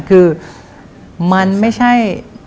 คือมันไม่ใช่